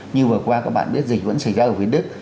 như vừa qua các bạn biết dịch vẫn xảy ra ở việt đức